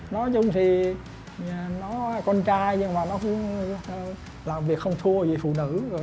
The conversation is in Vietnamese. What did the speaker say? nói chung thì nó con trai nhưng mà nó cũng làm việc không thua gì phụ nữ